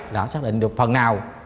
đã xác định được phần nào